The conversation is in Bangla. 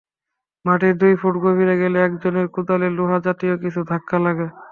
মাটির দুই ফুট গভীরে গেলে একজনের কোদালে লোহা জাতীয় কিছুর ধাক্কা লাগে।